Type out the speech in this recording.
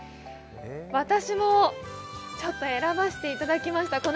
私も、ちょっと選ばせていただきました。